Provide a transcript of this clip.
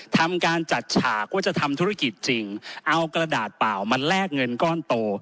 ทำการจัดฉากว่าจะทำธุรกิจจริงเอากระดาษเปล่ามาแลกเงินก้อนโต